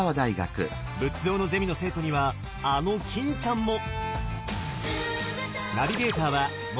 仏像のゼミの生徒にはあの欽ちゃんも！